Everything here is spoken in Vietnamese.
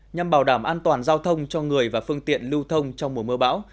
nhằm bảo đảm an toàn giao thông cho người và phương tiện lưu thông trong mùa mưa bão